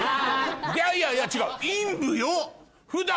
いやいやいや違う。